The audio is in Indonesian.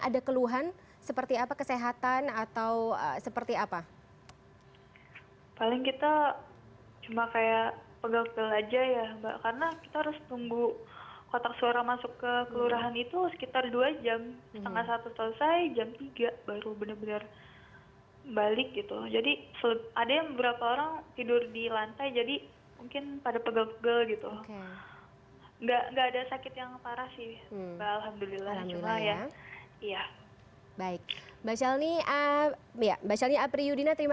ada keluhan seperti apa